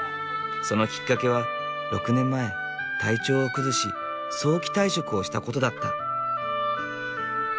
そのきっかけは６年前体調を崩し早期退職をしたことだった。